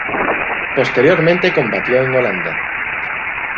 Posteriormente combatió en Holanda.